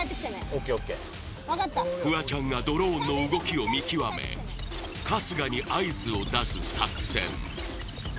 ＯＫＯＫフワちゃんがドローンの動きを見極め春日に合図を出す作戦